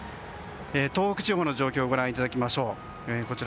東北地方の状況をご覧いただきましょう。